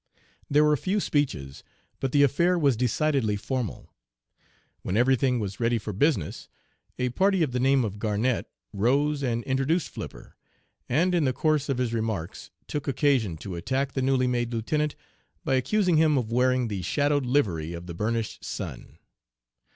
There were few speeches, but the affair was decidedly formal. When every thing was ready for business, a party of the name of Garnett rose and introduced Flipper, and in the course of his remarks took occasion to attack the newly made lieutenant by accusing him of wearing 'the shadowed livery of the burnished sun.'